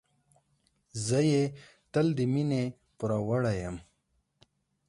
زه یې تل د مينې پوروړی یم.